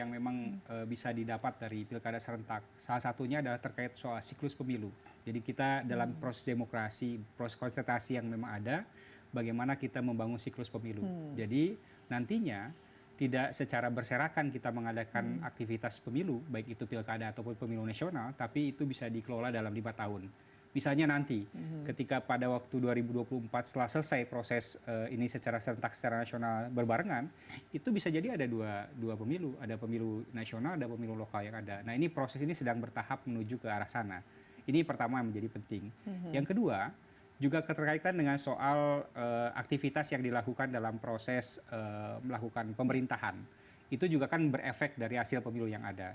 menurut anda gimana pandemi ini menghasilkan para pengangguran yang sangat baik untuk pilkada